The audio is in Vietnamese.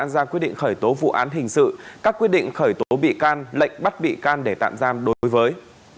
ra quyết định khởi tố vụ án hình sự các quyết định khởi tố bị can lệnh bắt bị can để tạm giam đối với